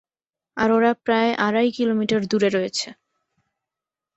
আর ওরা প্রায় আড়াই কিলোমিটার দূরে রয়েছে।